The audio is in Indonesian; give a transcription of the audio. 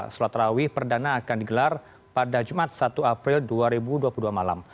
sholat rawih perdana akan digelar pada jumat satu april dua ribu dua puluh dua malam